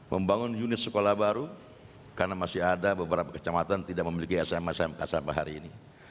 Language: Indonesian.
membangun unit sekolah baru karena masih ada beberapa kecamatan tidak memiliki sma smk sampai hari ini